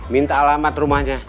minta alamat rumahnya